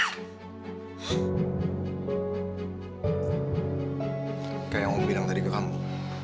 kayak yang mau bilang tadi ke kamu